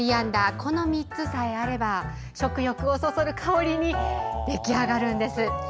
この３つさえあれば食欲をそそる香りに出来上がるんです。